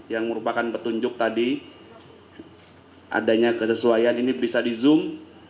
yang merupakan petunjuk tadi adanya kesesuaian ini bisa di zoom